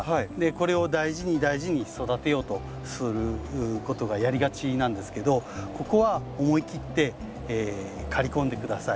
これを大事に大事に育てようとすることがやりがちなんですけどここは思い切って刈り込んで下さい。